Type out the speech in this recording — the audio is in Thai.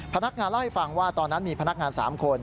พนักงานเล่าให้ฟังว่าตอนนั้นมีพนักงาน๓คน